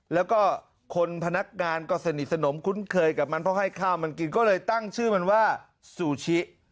แล้วก็คนพนักงานก็สนิทสนมคุ้นเคยกับมันเพราะให้ข้าวมันกินก็เลยตั้งชื่อมันว่าซูชิ